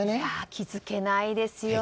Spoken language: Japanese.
気づけないですよ。